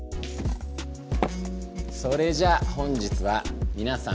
それじゃあ本日はみなさん